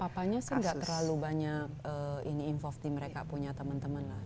makanya sih enggak terlalu banyak ini involved di mereka punya temen temen lah